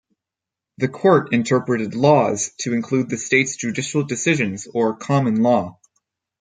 The Court interpreted "laws" to include the states' judicial decisions, or "common law.